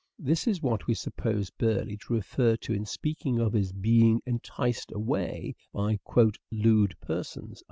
This is what we suppose Burleigh to refer to in speaking of his being enticed away by " lewd persons."